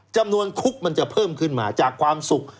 จำนวนคุกมันจะเพิ่มขึ้นมาจากความสุข